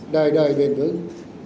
đời đời viên vững